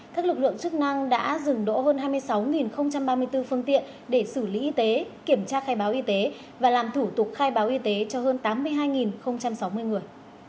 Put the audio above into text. các lực lượng chức năng đã dừng đỗ hơn hai mươi sáu ba mươi bốn phương tiện để xử lý y tế kiểm tra khai báo y tế và làm thủ tục khai báo y tế cho hơn tám mươi hai sáu mươi người